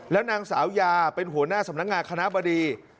แล้วนางสาวยาเป็นหัวหน้าสำนักงานคณะบดี